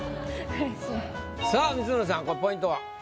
さぁ光宗さんこれポイントは？